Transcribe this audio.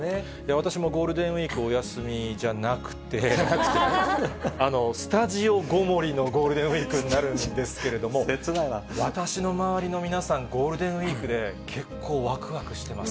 私もゴールデンウィーク、お休みじゃなくて、スタジオごもりのゴールデンウィークになるんですけれども、私の周りの皆さん、ゴールデンウィークで結構、わくわくしてます。